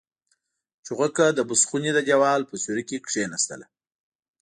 چوغکه د بوس خونې د دېوال په سوري کې کېناستله.